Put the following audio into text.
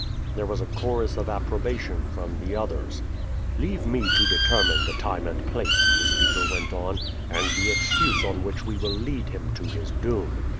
There was a chorus of approbation from the others. "Leave me to determine the time and place," the speaker went on, "and the excuse on which we will lead him to his doom.